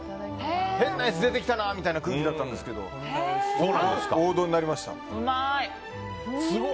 変なやつ出てきたなみたいな空気だったんですけどうまい！